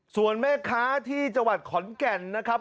ส่วนแม่ค้าที่จังหวัดขอนแก่นนะครับ